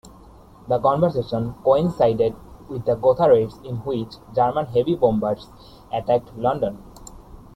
This conversation coincided with the Gotha Raids in which German heavy bombers attacked London.